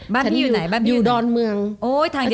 บ้านพี่อยู่ไหนบ้านพี่อยู่อยู่ดอนเมืองโอ้ทางเดียวกันเลย